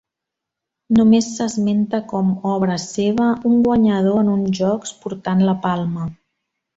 Només s'esmenta com obra seva un guanyador en uns jocs portant la palma.